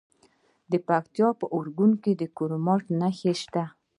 د پکتیکا په ارګون کې د کرومایټ نښې شته.